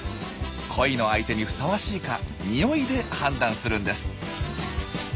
恋の相手にふさわしいか臭いで判断するんです。